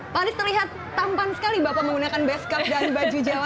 pak anies terlihat tampan sekali bapak menggunakan beskap dan baju jawa